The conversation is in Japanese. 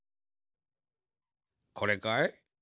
これかい？